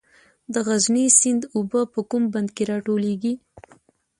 د غزني سیند اوبه په کوم بند کې راټولیږي؟